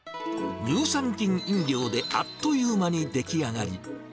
乳酸菌飲料であっという間に出来上がり。